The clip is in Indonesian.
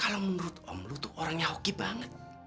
kalau menurut om lu tuh orangnya hoki banget